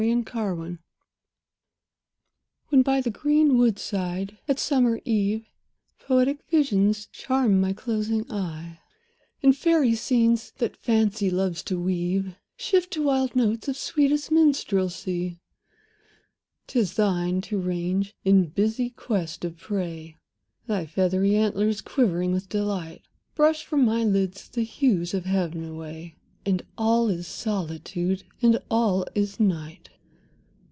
TO THE GNAT. When by the green wood side, at summer eve, Poetic visions charm my closing eye; And fairy scenes, that Fancy loves to weave, Shift to wild notes of sweetest Minstrelsy; 'Tis thine to range in busy quest of prey, Thy feathery antlers quivering with delight, Brush from my lids the hues of heav'n away, And all is Solitude, and all is Night!